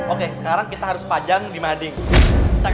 oke sekarang kita harus panjang di mading